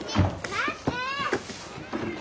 待って！